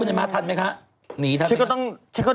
อยากให้มันเตศไกลเลย